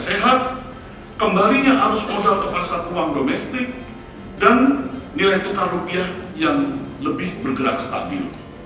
sehat kembalinya arus modal ke pasar uang domestik dan nilai tukar rupiah yang lebih bergerak stabil